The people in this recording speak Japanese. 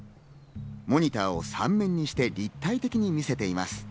モニターを３面にして立体的に見せています。